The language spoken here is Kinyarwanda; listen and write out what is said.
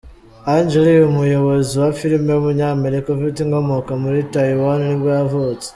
Ang Lee, umuyobozi wa filime w’umunyamerika ufite inkomoko muri Taiwan nibwo yavutse.